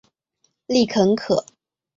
丽肯可